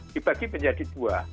dibagi menjadi dua